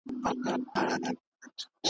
دا یې ګز دا یې میدان